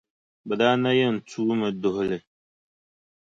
Bɛ daa na yɛn tuumi duhi li.